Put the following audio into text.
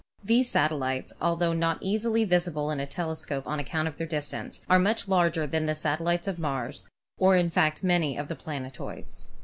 These satellites, altho not easily visible in a telescope on account of their distance, are much larger than the satellites of Mars or in fact 212 ASTRONOMY many of the planetoids.